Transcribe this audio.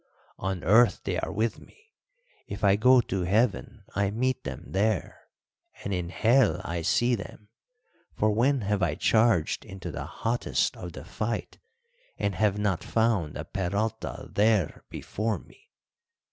On earth they are with me; if I go to Heaven I meet them there, and in Hell I see them; for when have I charged into the hottest of the fight and have not found a Peralta there before me?